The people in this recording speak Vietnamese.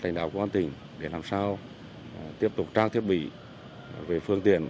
lãnh đạo công an tỉnh để làm sao tiếp tục trang thiết bị về phương tiện